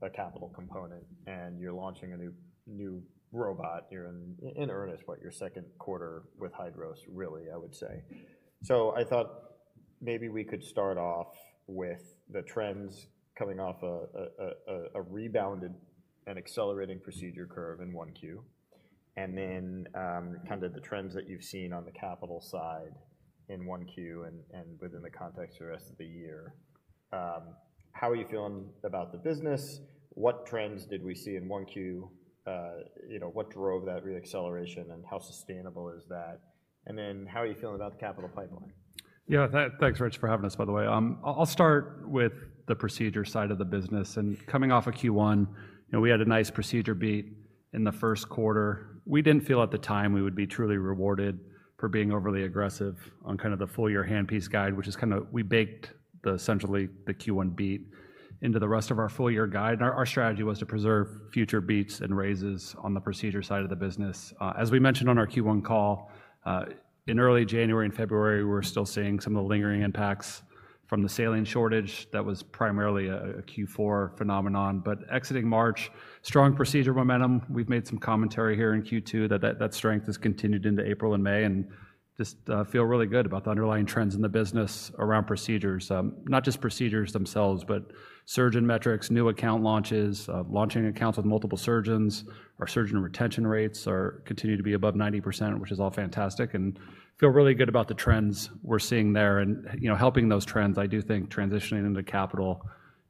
Have a capital component, and you're launching a new robot. You're in earnest with your second quarter with Hydros, really, I would say. I thought maybe we could start off with the trends coming off a rebounded and accelerating procedure curve in 1Q, and then kind of the trends that you've seen on the capital side in 1Q and within the context of the rest of the year. How are you feeling about the business? What trends did we see in 1Q? What drove that reacceleration, and how sustainable is that? How are you feeling about the capital pipeline? Yeah, thanks, Rich, for having us, by the way. I'll start with the procedure side of the business. Coming off of Q1, we had a nice procedure beat in the first quarter. We didn't feel at the time we would be truly rewarded for being overly aggressive on kind of the full-year handpiece guide, which is kind of we baked essentially the Q1 beat into the rest of our full-year guide. Our strategy was to preserve future beats and raises on the procedure side of the business. As we mentioned on our Q1 call, in early January and February, we were still seeing some of the lingering impacts from the saline shortage. That was primarily a Q4 phenomenon. Exiting March, strong procedure momentum. We've made some commentary here in Q2 that strength has continued into April and May, and just feel really good about the underlying trends in the business around procedures. Not just procedures themselves, but surgeon metrics, new account launches, launching accounts with multiple surgeons. Our surgeon retention rates continue to be above 90%, which is all fantastic, and feel really good about the trends we're seeing there. Helping those trends, I do think transitioning into capital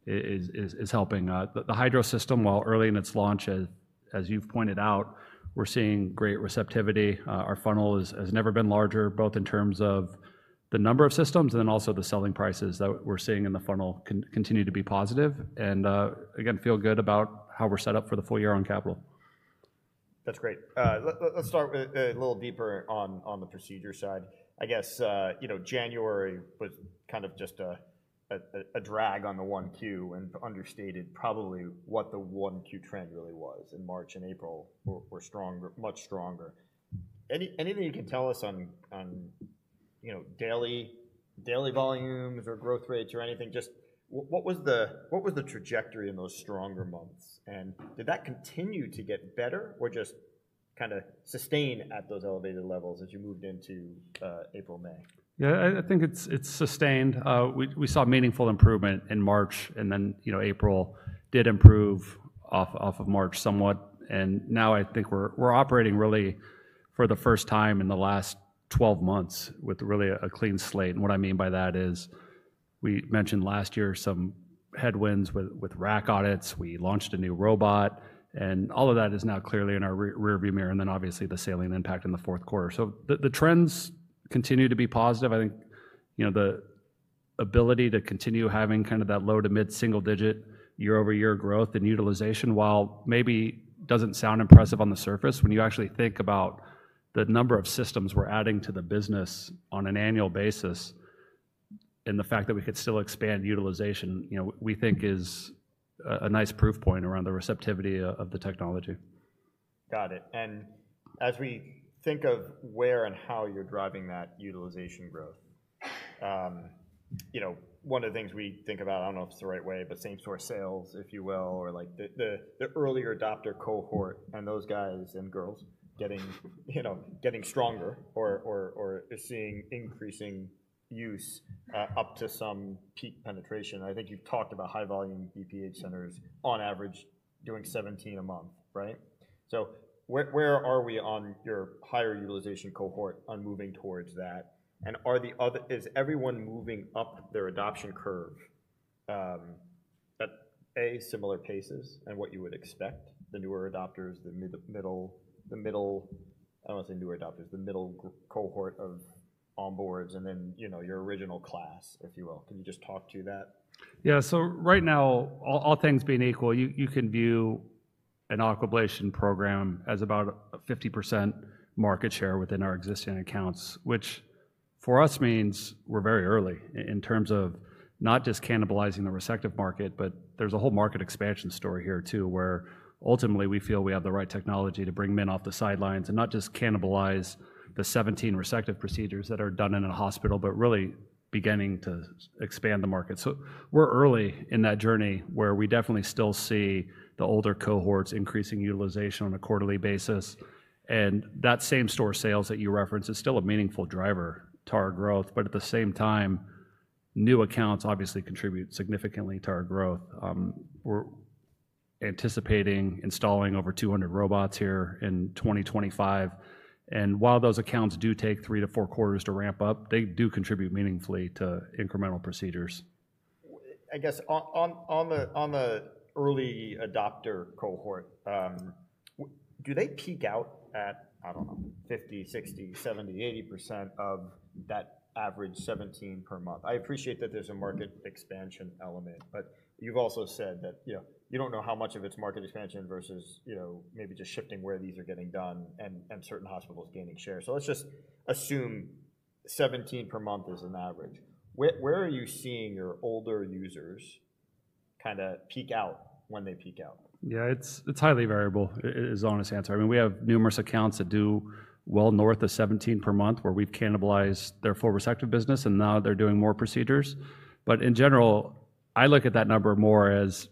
is helping. The Hydros system, while early in its launch, as you've pointed out, we're seeing great receptivity. Our funnel has never been larger, both in terms of the number of systems and then also the selling prices that we're seeing in the funnel continue to be positive. Again, feel good about how we're set up for the full year on capital. That's great. Let's start a little deeper on the procedure side. I guess January was kind of just a drag on the 1Q and understated probably what the 1Q trend really was. In March and April, were much stronger. Anything you can tell us on daily volumes or growth rates or anything? Just what was the trajectory in those stronger months? Did that continue to get better or just kind of sustain at those elevated levels as you moved into April, May? Yeah, I think it's sustained. We saw meaningful improvement in March, and April did improve off of March somewhat. I think we're operating really for the first time in the last 12 months with really a clean slate. What I mean by that is we mentioned last year some headwinds with rack audits. We launched a new robot, and all of that is now clearly in our rearview mirror. Obviously the saline impact in the fourth quarter. The trends continue to be positive. I think the ability to continue having kind of that low to mid single-digit year-over-year growth in utilization, while maybe does not sound impressive on the surface, when you actually think about the number of systems we are adding to the business on an annual basis and the fact that we could still expand utilization, we think is a nice proof point around the receptivity of the technology. Got it. As we think of where and how you're driving that utilization growth, one of the things we think about, I don't know if it's the right way, but same-store sales, if you will, or the earlier adopter cohort and those guys and girls getting stronger or seeing increasing use up to some peak penetration. I think you've talked about high-volume BPH centers on average doing 17 a month, right? Where are we on your higher utilization cohort on moving towards that? Is everyone moving up their adoption curve at similar paces and what you would expect, the newer adopters, the middle, I don't want to say newer adopters, the middle cohort of onboards, and then your original class, if you will? Can you just talk to that? Yeah. So right now, all things being equal, you can view an Aquablation program as about a 50% market share within our existing accounts, which for us means we're very early in terms of not just cannibalizing the receptive market, but there's a whole market expansion story here too, where ultimately we feel we have the right technology to bring men off the sidelines and not just cannibalize the 17 receptive procedures that are done in a hospital, but really beginning to expand the market. We're early in that journey where we definitely still see the older cohorts increasing utilization on a quarterly basis. That same-store sales that you referenced is still a meaningful driver to our growth. At the same time, new accounts obviously contribute significantly to our growth. We're anticipating installing over 200 robots here in 2025. While those accounts do take three to four quarters to ramp up, they do contribute meaningfully to incremental procedures. I guess on the early adopter cohort, do they peak out at, I don't know, 50%, 60%, 70%, 80% of that average 17 per month? I appreciate that there's a market expansion element, but you've also said that you don't know how much of it's market expansion versus maybe just shifting where these are getting done and certain hospitals gaining share. Let's just assume 17 per month is an average. Where are you seeing your older users kind of peak out when they peak out? Yeah, it's highly variable, is the honest answer. I mean, we have numerous accounts that do well north of 17 per month where we've cannibalized their full receptive business, and now they're doing more procedures. In general, I look at that number more as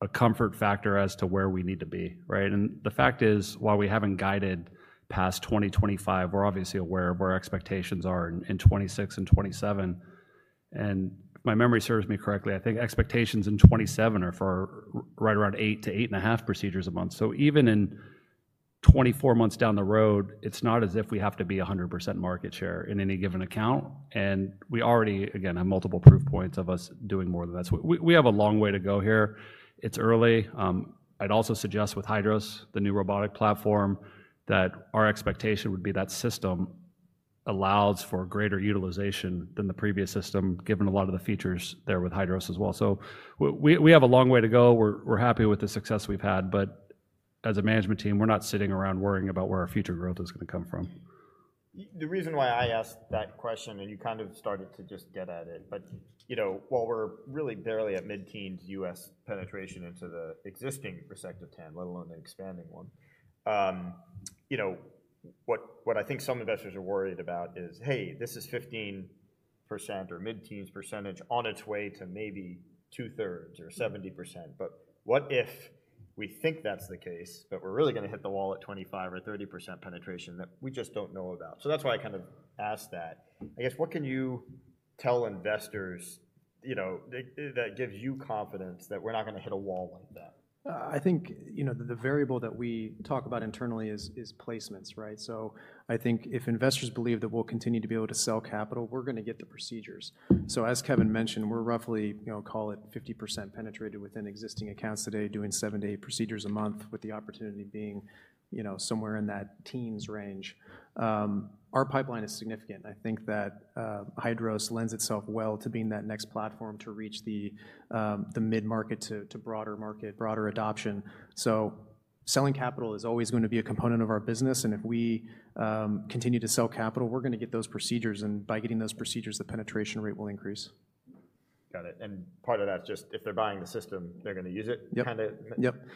a comfort factor as to where we need to be, right? The fact is, while we haven't guided past 2025, we're obviously aware of where expectations are in 2026 and 2027. If my memory serves me correctly, I think expectations in 2027 are for right around eight to eight and a half procedures a month. Even in 24 months down the road, it's not as if we have to be 100% market share in any given account. We already, again, have multiple proof points of us doing more than that. We have a long way to go here. It's early. I'd also suggest with Hydros, the new robotic platform, that our expectation would be that system allows for greater utilization than the previous system, given a lot of the features there with Hydros as well. We have a long way to go. We're happy with the success we've had. As a management team, we're not sitting around worrying about where our future growth is going to come from. The reason why I asked that question, and you kind of started to just get at it, but while we're really barely at mid-teens US penetration into the existing receptive 10, let alone the expanding one, what I think some investors are worried about is, "Hey, this is 15% or mid-teens % on its way to maybe two-thirds or 70%." What if we think that's the case, but we're really going to hit the wall at 25% or 30% penetration that we just don't know about? That is why I kind of asked that. I guess, what can you tell investors that gives you confidence that we're not going to hit a wall like that? I think the variable that we talk about internally is placements, right? I think if investors believe that we'll continue to be able to sell capital, we're going to get the procedures. As Kevin mentioned, we're roughly, call it 50% penetrated within existing accounts today, doing seven to eight procedures a month, with the opportunity being somewhere in that teens range. Our pipeline is significant. I think that Hydros lends itself well to being that next platform to reach the mid-market to broader market, broader adoption. Selling capital is always going to be a component of our business. If we continue to sell capital, we're going to get those procedures. By getting those procedures, the penetration rate will increase. Got it. Part of that's just if they're buying the system, they're going to use it, kind of? Yep. Yep.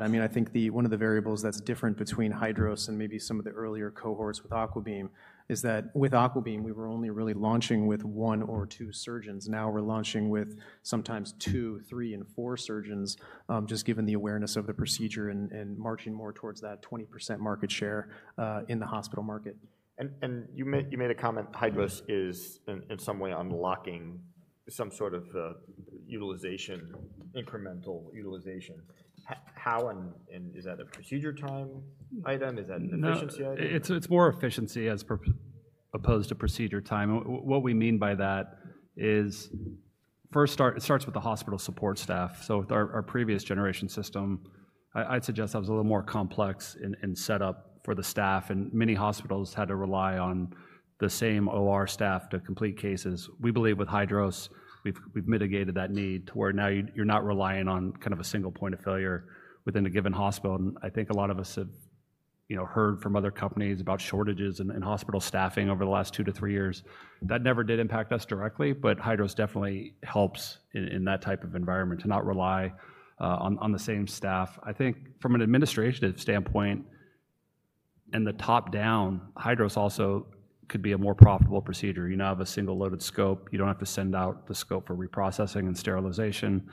I mean, I think one of the variables that's different between Hydros and maybe some of the earlier cohorts with Aquabeam is that with Aquabeam, we were only really launching with one or two surgeons. Now we're launching with sometimes two, three, and four surgeons, just given the awareness of the procedure and marching more towards that 20% market share in the hospital market. You made a comment, Hydros is in some way unlocking some sort of utilization, incremental utilization. How? Is that a procedure time item? Is that an efficiency item? It's more efficiency as opposed to procedure time. What we mean by that is first, it starts with the hospital support staff. So with our previous generation system, I'd suggest that was a little more complex in setup for the staff. And many hospitals had to rely on the same or staff to complete cases. We believe with Hydros, we've mitigated that need to where now you're not relying on kind of a single point of failure within a given hospital. I think a lot of us have heard from other companies about shortages in hospital staffing over the last two to three years. That never did impact us directly, but Hydros definitely helps in that type of environment to not rely on the same staff. I think from an administrative standpoint and the top-down, Hydros also could be a more profitable procedure. You now have a single-loaded scope. You do not have to send out the scope for reprocessing and sterilization.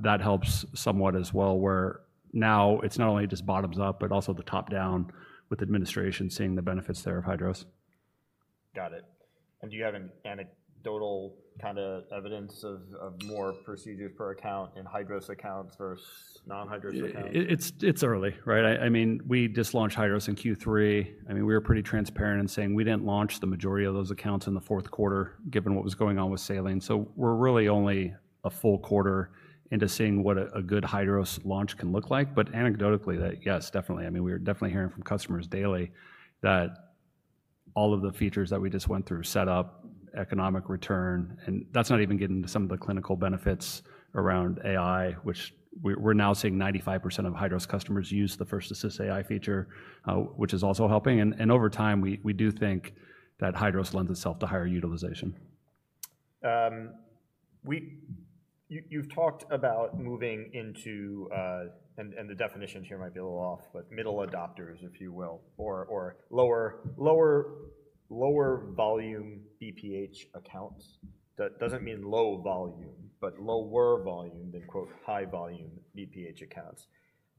That helps somewhat as well, where now it is not only just bottoms up, but also the top-down with administration seeing the benefits there of Hydros. Got it. Do you have an anecdotal kind of evidence of more procedures per account in Hydros accounts versus non-Hydros accounts? It's early, right? I mean, we just launched Hydros in Q3. I mean, we were pretty transparent in saying we didn't launch the majority of those accounts in the fourth quarter, given what was going on with saline. We're really only a full quarter into seeing what a good Hydros launch can look like. Anecdotally, yes, definitely. I mean, we were definitely hearing from customers daily that all of the features that we just went through, setup, economic return, and that's not even getting into some of the clinical benefits around AI, which we're now seeing 95% of Hydros customers use the first-assist AI feature, which is also helping. Over time, we do think that Hydros lends itself to higher utilization. You've talked about moving into, and the definition here might be a little off, but middle adopters, if you will, or lower volume BPH accounts. That doesn't mean low volume, but lower volume than "high volume" BPH accounts.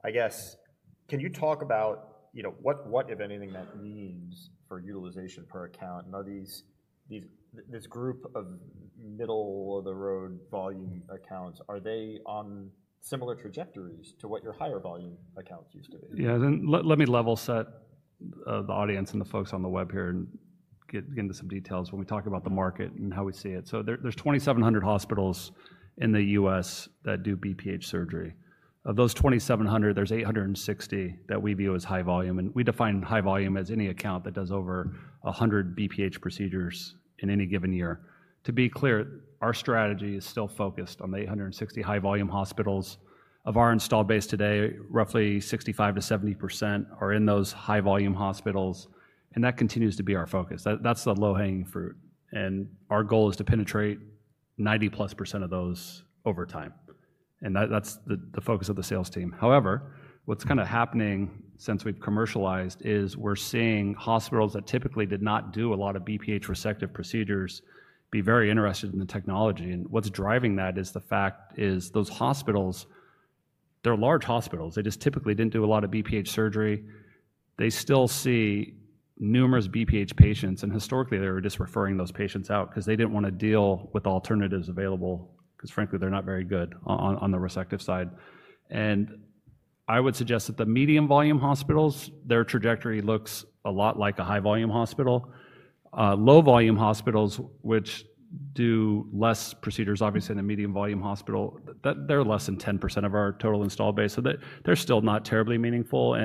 I guess, can you talk about what, if anything, that means for utilization per account? Now, this group of middle-of-the-road volume accounts, are they on similar trajectories to what your higher volume accounts used to be? Yeah. Let me level set the audience and the folks on the web here and get into some details when we talk about the market and how we see it. There are 2,700 hospitals in the U.S. that do BPH surgery. Of those 2,700, there are 860 that we view as high volume. We define high volume as any account that does over 100 BPH procedures in any given year. To be clear, our strategy is still focused on the 860 high-volume hospitals of our installed base today. Roughly 65-70% are in those high-volume hospitals. That continues to be our focus. That is the low-hanging fruit. Our goal is to penetrate 90-plus % of those over time. That is the focus of the sales team. However, what's kind of happening since we've commercialized is we're seeing hospitals that typically did not do a lot of BPH receptive procedures be very interested in the technology. What's driving that is the fact is those hospitals, they're large hospitals. They just typically didn't do a lot of BPH surgery. They still see numerous BPH patients. Historically, they were just referring those patients out because they didn't want to deal with alternatives available because, frankly, they're not very good on the receptive side. I would suggest that the medium-volume hospitals, their trajectory looks a lot like a high-volume hospital. Low-volume hospitals, which do less procedures, obviously, in a medium-volume hospital, they're less than 10% of our total installed base. They're still not terribly meaningful.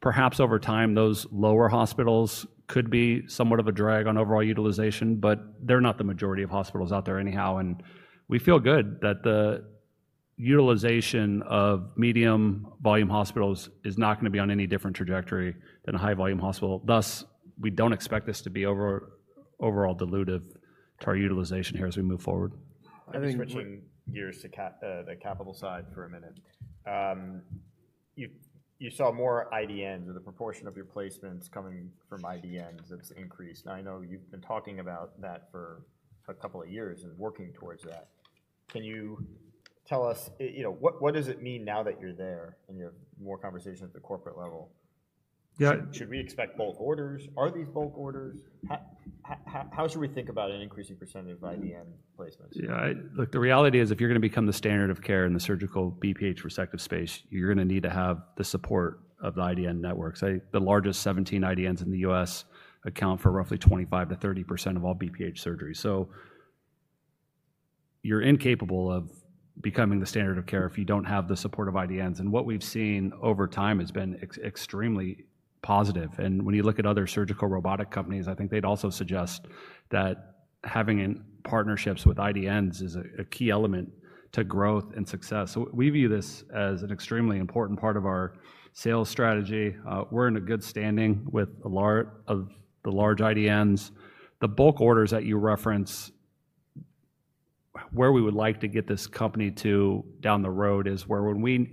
Perhaps over time, those lower hospitals could be somewhat of a drag on overall utilization, but they're not the majority of hospitals out there anyhow. We feel good that the utilization of medium-volume hospitals is not going to be on any different trajectory than a high-volume hospital. Thus, we do not expect this to be overall dilutive to our utilization here as we move forward. I think switching gears to the capital side for a minute. You saw more IDNs, or the proportion of your placements coming from IDNs has increased. I know you've been talking about that for a couple of years and working towards that. Can you tell us, what does it mean now that you're there and you have more conversations at the corporate level? Should we expect bulk orders? Are these bulk orders? How should we think about an increasing percentage of IDN placements? Yeah. Look, the reality is if you're going to become the standard of care in the surgical BPH receptive space, you're going to need to have the support of the IDN networks. The largest 17 IDNs in the US account for roughly 25-30% of all BPH surgeries. You're incapable of becoming the standard of care if you don't have the support of IDNs. What we've seen over time has been extremely positive. When you look at other surgical robotic companies, I think they'd also suggest that having partnerships with IDNs is a key element to growth and success. We view this as an extremely important part of our sales strategy. We're in a good standing with the large IDNs. The bulk orders that you reference, where we would like to get this company to down the road is where we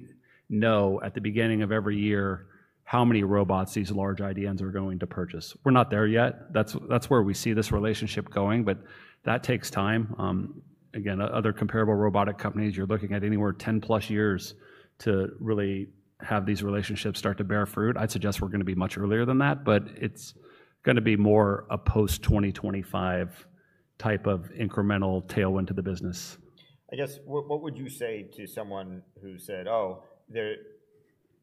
know at the beginning of every year how many robots these large IDNs are going to purchase. We're not there yet. That's where we see this relationship going. That takes time. Again, other comparable robotic companies, you're looking at anywhere 10-plus years to really have these relationships start to bear fruit. I'd suggest we're going to be much earlier than that, but it's going to be more a post-2025 type of incremental tailwind to the business. I guess, what would you say to someone who said, "Oh,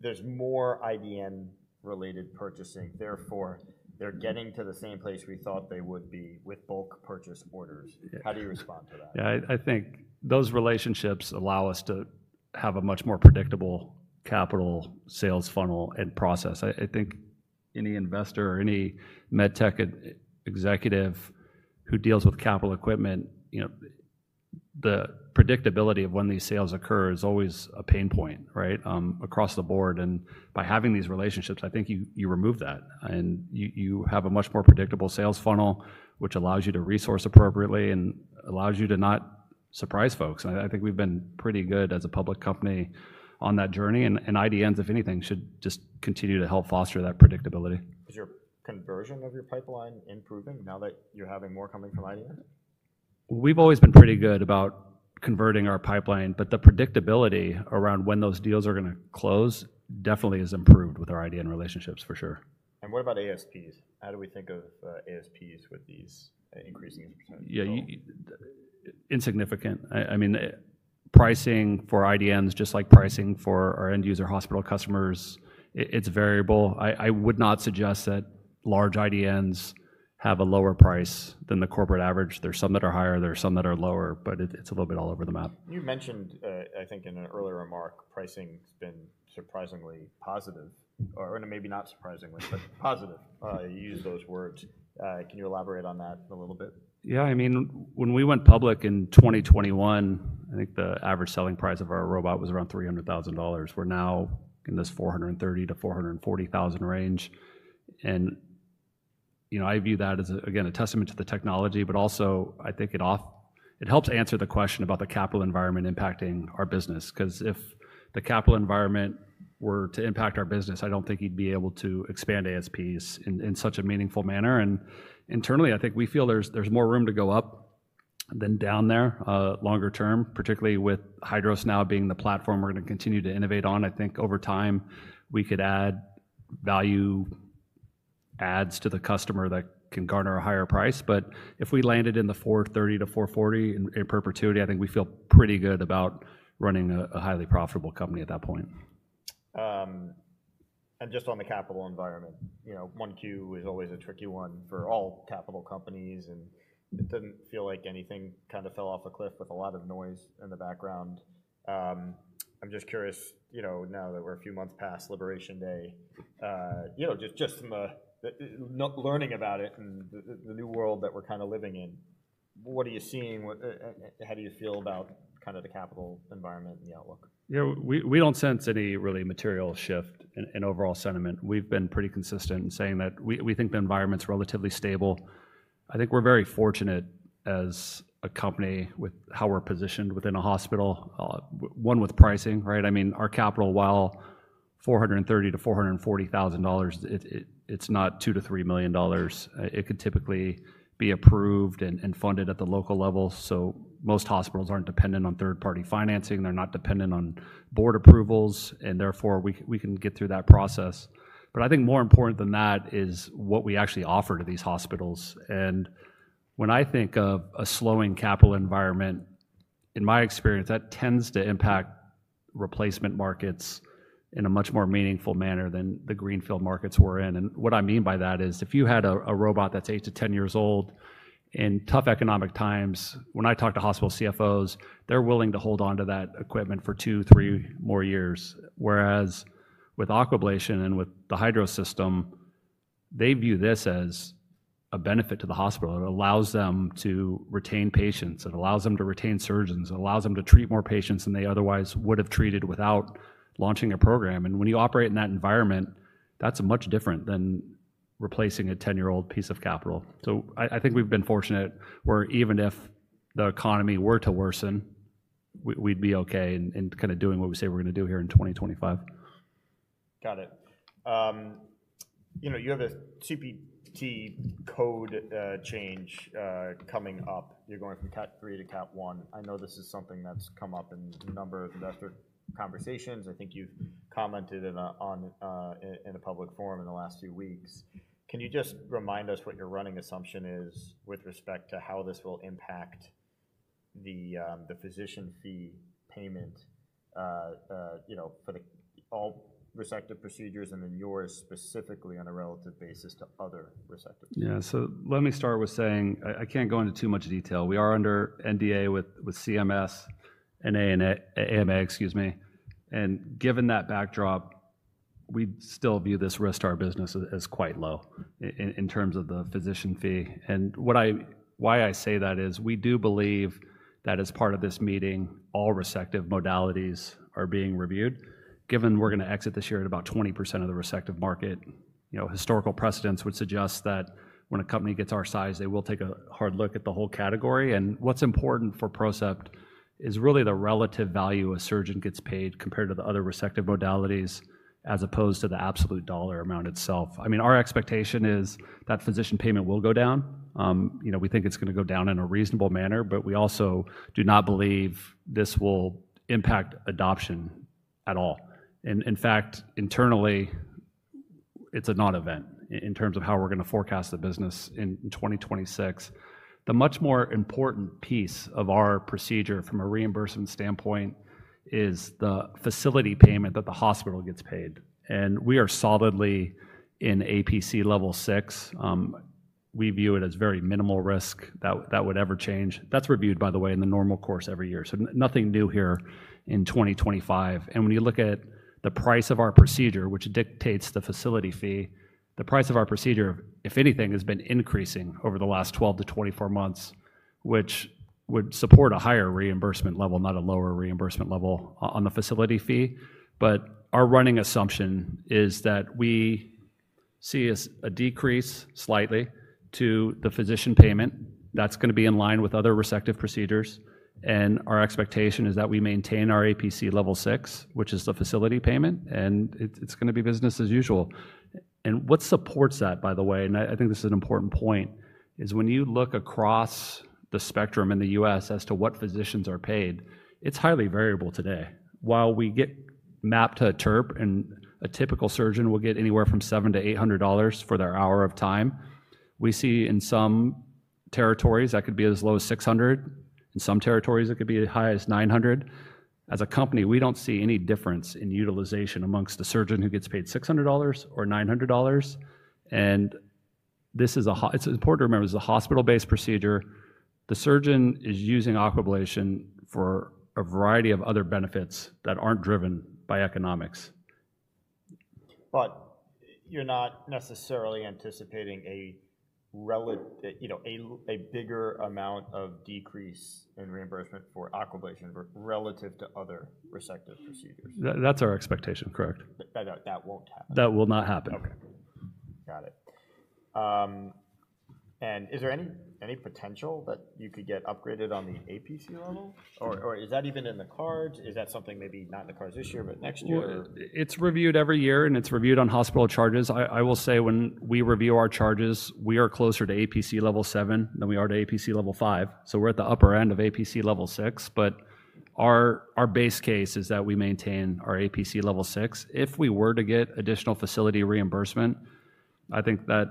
there's more IDN-related purchasing. Therefore, they're getting to the same place we thought they would be with bulk purchase orders?" How do you respond to that? Yeah. I think those relationships allow us to have a much more predictable capital sales funnel and process. I think any investor or any med tech executive who deals with capital equipment, the predictability of when these sales occur is always a pain point, right, across the board. By having these relationships, I think you remove that. You have a much more predictable sales funnel, which allows you to resource appropriately and allows you to not surprise folks. I think we've been pretty good as a public company on that journey. IDNs, if anything, should just continue to help foster that predictability. Is your conversion of your pipeline improving now that you're having more coming from IDNs? We've always been pretty good about converting our pipeline. The predictability around when those deals are going to close definitely has improved with our IDN relationships, for sure. What about ASPs? How do we think of ASPs with these increasing? Yeah. Insignificant. I mean, pricing for IDNs, just like pricing for our end-user hospital customers, it's variable. I would not suggest that large IDNs have a lower price than the corporate average. There are some that are higher. There are some that are lower. But it's a little bit all over the map. You mentioned, I think in an earlier remark, pricing has been surprisingly positive. Or maybe not surprisingly, but positive. You used those words. Can you elaborate on that a little bit? Yeah. I mean, when we went public in 2021, I think the average selling price of our robot was around $300,000. We're now in this $430,000-$440,000 range. I view that as, again, a testament to the technology, but also I think it helps answer the question about the capital environment impacting our business. Because if the capital environment were to impact our business, I don't think you'd be able to expand ASPs in such a meaningful manner. Internally, I think we feel there's more room to go up than down there longer term, particularly with Hydros now being the platform we're going to continue to innovate on. I think over time, we could add value adds to the customer that can garner a higher price. If we landed in the $430-$440 in perpetuity, I think we feel pretty good about running a highly profitable company at that point. Just on the capital environment, 1Q is always a tricky one for all capital companies. It does not feel like anything kind of fell off a cliff with a lot of noise in the background. I am just curious, now that we are a few months past Liberation Day, just learning about it and the new world that we are kind of living in, what are you seeing? How do you feel about kind of the capital environment and the outlook? Yeah. We don't sense any really material shift in overall sentiment. We've been pretty consistent in saying that we think the environment's relatively stable. I think we're very fortunate as a company with how we're positioned within a hospital, one with pricing, right? I mean, our capital, while $430,000 to $440,000, it's not $2 million to $3 million. It could typically be approved and funded at the local level. Most hospitals aren't dependent on third-party financing. They're not dependent on board approvals. Therefore, we can get through that process. I think more important than that is what we actually offer to these hospitals. When I think of a slowing capital environment, in my experience, that tends to impact replacement markets in a much more meaningful manner than the greenfield markets we're in. What I mean by that is if you had a robot that's 8-10 years old in tough economic times, when I talk to hospital CFOs, they're willing to hold on to that equipment for two, three more years. Whereas with Aquablation and with the Hydros system, they view this as a benefit to the hospital. It allows them to retain patients. It allows them to retain surgeons. It allows them to treat more patients than they otherwise would have treated without launching a program. When you operate in that environment, that's much different than replacing a 10-year-old piece of capital. I think we've been fortunate where even if the economy were to worsen, we'd be okay in kind of doing what we say we're going to do here in 2025. Got it. You have a CPT code change coming up. You're going from Cat 3 to Cat 1. I know this is something that's come up in a number of investor conversations. I think you've commented in a public forum in the last few weeks. Can you just remind us what your running assumption is with respect to how this will impact the physician fee payment for all receptive procedures and then yours specifically on a relative basis to other receptive procedures? Yeah. Let me start with saying I can't go into too much detail. We are under NDA with CMS and AMA, excuse me. Given that backdrop, we still view this risk to our business as quite low in terms of the physician fee. Why I say that is we do believe that as part of this meeting, all receptive modalities are being reviewed. Given we're going to exit this year at about 20% of the receptive market, historical precedents would suggest that when a company gets our size, they will take a hard look at the whole category. What's important for PROCEPT is really the relative value a surgeon gets paid compared to the other receptive modalities as opposed to the absolute dollar amount itself. I mean, our expectation is that physician payment will go down. We think it's going to go down in a reasonable manner. We also do not believe this will impact adoption at all. In fact, internally, it's a non-event in terms of how we're going to forecast the business in 2026. The much more important piece of our procedure from a reimbursement standpoint is the facility payment that the hospital gets paid. We are solidly in APC level 6. We view it as very minimal risk that would ever change. That's reviewed, by the way, in the normal course every year. Nothing new here in 2025. When you look at the price of our procedure, which dictates the facility fee, the price of our procedure, if anything, has been increasing over the last 12 to 24 months, which would support a higher reimbursement level, not a lower reimbursement level on the facility fee. Our running assumption is that we see a decrease slightly to the physician payment. That is going to be in line with other resective procedures. Our expectation is that we maintain our APC level 6, which is the facility payment. It is going to be business as usual. What supports that, by the way, and I think this is an important point, is when you look across the spectrum in the U.S. as to what physicians are paid, it is highly variable today. While we get mapped to a TURP, and a typical surgeon will get anywhere from $700-$800 for their hour of time, we see in some territories that could be as low as $600. In some territories, it could be as high as $900. As a company, we do not see any difference in utilization amongst the surgeon who gets paid $600 or $900. It is important to remember this is a hospital-based procedure. The surgeon is using Aquablation for a variety of other benefits that are not driven by economics. You're not necessarily anticipating a bigger amount of decrease in reimbursement for Aquablation relative to other resective procedures. That's our expectation, correct. That won't happen. That will not happen. Okay. Got it. Is there any potential that you could get upgraded on the APC level? Is that even in the cards? Is that something maybe not in the cards this year, but next year? It's reviewed every year, and it's reviewed on hospital charges. I will say when we review our charges, we are closer to APC level 7 than we are to APC level 5. We're at the upper end of APC level 6. Our base case is that we maintain our APC level 6. If we were to get additional facility reimbursement, I think that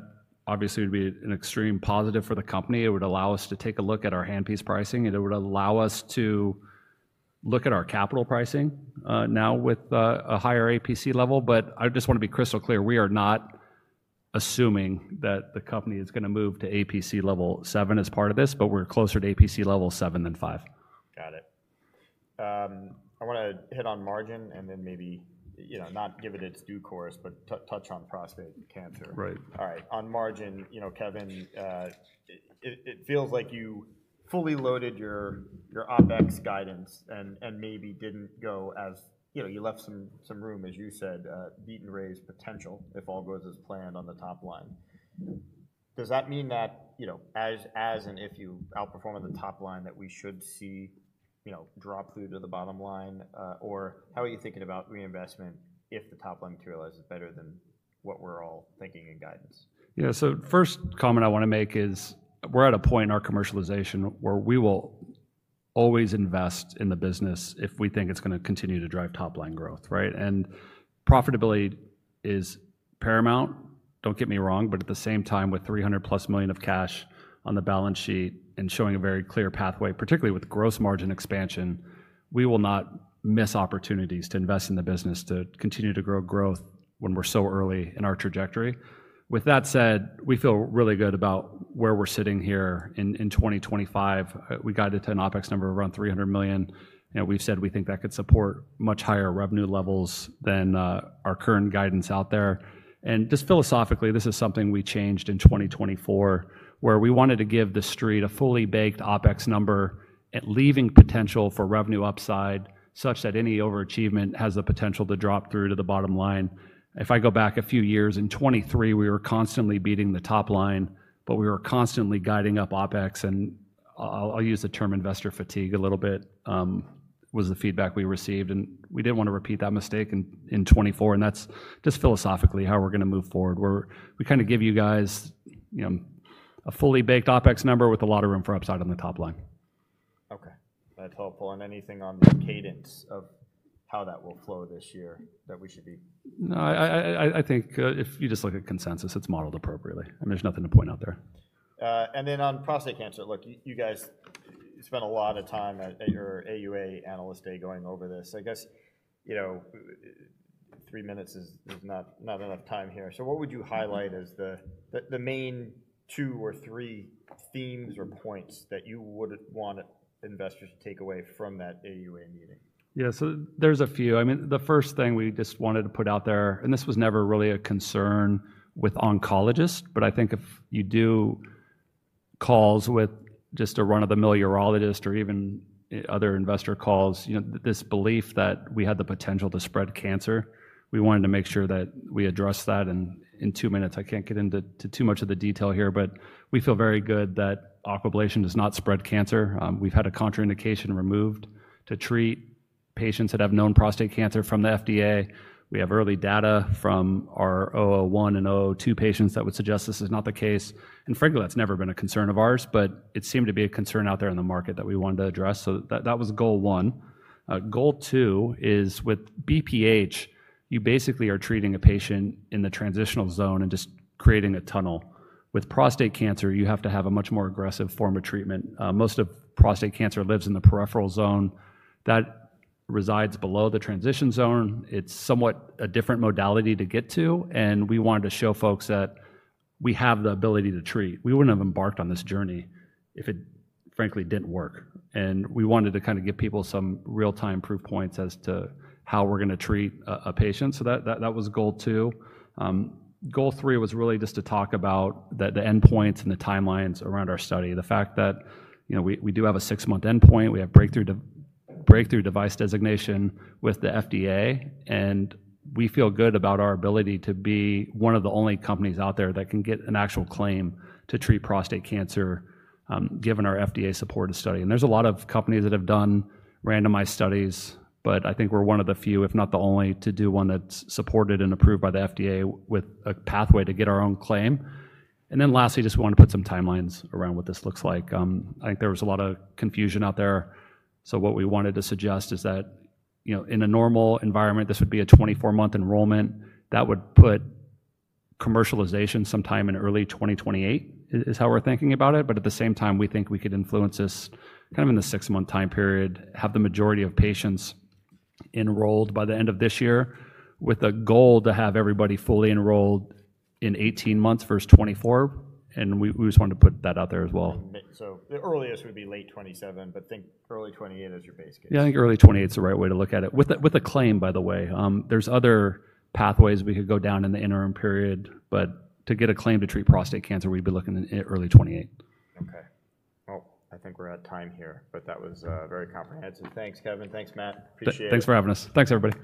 obviously would be an extreme positive for the company. It would allow us to take a look at our handpiece pricing. It would allow us to look at our capital pricing now with a higher APC level. I just want to be crystal clear. We are not assuming that the company is going to move to APC level 7 as part of this. We're closer to APC level 7 than 5. Got it. I want to hit on margin and then maybe not give it its due course, but touch on prostate cancer. Right. All right. On margin, Kevin, it feels like you fully loaded your OpEx guidance and maybe did not go as you left some room, as you said, beat and raise potential if all goes as planned on the top line. Does that mean that as and if you outperform on the top line that we should see drop through to the bottom line? Or how are you thinking about reinvestment if the top line materializes better than what we are all thinking in guidance? Yeah. First comment I want to make is we're at a point in our commercialization where we will always invest in the business if we think it's going to continue to drive top line growth, right? Profitability is paramount, don't get me wrong. At the same time, with $300 million-plus of cash on the balance sheet and showing a very clear pathway, particularly with gross margin expansion, we will not miss opportunities to invest in the business to continue to grow growth when we're so early in our trajectory. With that said, we feel really good about where we're sitting here in 2025. We guided to an OpEx number around $300 million. We've said we think that could support much higher revenue levels than our current guidance out there. Just philosophically, this is something we changed in 2024 where we wanted to give the street a fully baked OpEx number and leaving potential for revenue upside such that any overachievement has the potential to drop through to the bottom line. If I go back a few years, in 2023, we were constantly beating the top line. We were constantly guiding up OpEx. I'll use the term investor fatigue a little bit was the feedback we received. We did not want to repeat that mistake in 2024. That's just philosophically how we're going to move forward. We kind of give you guys a fully baked OpEx number with a lot of room for upside on the top line. Okay. That's helpful. Anything on the cadence of how that will flow this year that we should be? No. I think if you just look at consensus, it's modeled appropriately. And there's nothing to point out there. On prostate cancer, look, you guys spent a lot of time at your AUA analyst day going over this. I guess three minutes is not enough time here. What would you highlight as the main two or three themes or points that you would want investors to take away from that AUA meeting? Yeah. So there's a few. I mean, the first thing we just wanted to put out there, and this was never really a concern with oncologists. I think if you do calls with just a run-of-the-mill urologist or even other investor calls, this belief that we had the potential to spread cancer, we wanted to make sure that we addressed that. In two minutes, I can't get into too much of the detail here. We feel very good that Aquablation does not spread cancer. We've had a contraindication removed to treat patients that have known prostate cancer from the FDA. We have early data from our 001 and 002 patients that would suggest this is not the case. Frankly, that's never been a concern of ours. It seemed to be a concern out there in the market that we wanted to address. That was goal one. Goal two is with BPH, you basically are treating a patient in the transitional zone and just creating a tunnel. With prostate cancer, you have to have a much more aggressive form of treatment. Most of prostate cancer lives in the peripheral zone that resides below the transition zone. It is somewhat a different modality to get to. We wanted to show folks that we have the ability to treat. We would not have embarked on this journey if it frankly did not work. We wanted to kind of give people some real-time proof points as to how we are going to treat a patient. That was goal two. Goal three was really just to talk about the endpoints and the timelines around our study, the fact that we do have a six-month endpoint. We have breakthrough device designation with the FDA. We feel good about our ability to be one of the only companies out there that can get an actual claim to treat prostate cancer given our FDA-supported study. There are a lot of companies that have done randomized studies. I think we are one of the few, if not the only, to do one that is supported and approved by the FDA with a pathway to get our own claim. Lastly, I just want to put some timelines around what this looks like. I think there was a lot of confusion out there. What we wanted to suggest is that in a normal environment, this would be a 24-month enrollment. That would put commercialization sometime in early 2028, which is how we are thinking about it. At the same time, we think we could influence this kind of in the six-month time period, have the majority of patients enrolled by the end of this year with a goal to have everybody fully enrolled in 18 months versus 24. We just wanted to put that out there as well. The earliest would be late 2027. Think early 2028 as your base case. Yeah. I think early 2028 is the right way to look at it. With a claim, by the way, there's other pathways we could go down in the interim period. But to get a claim to treat prostate cancer, we'd be looking at early 2028. Okay. I think we're at time here. That was very comprehensive. Thanks, Kevin. Thanks, Matt. Appreciate it. Thanks for having us. Thanks, everybody.